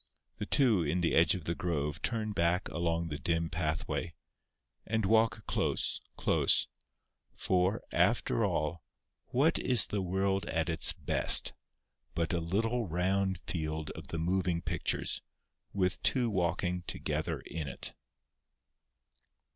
The two in the edge of the grove turn back along the dim pathway, and walk close, close—for, after all, what is the world at its best but a little round field of the moving pictures with two walking together in it?